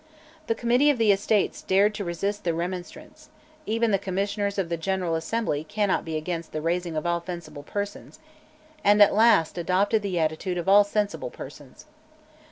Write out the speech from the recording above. The Committee of Estates dared to resist the Remonstrants: even the Commissioners of the General Assembly "cannot be against the raising of all fencible persons," and at last adopted the attitude of all sensible persons.